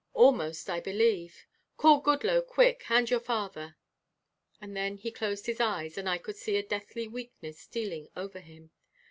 Almost I believe. Call Goodloe quick, and your father." And then he closed his eyes and I could see a deathly weakness stealing over him.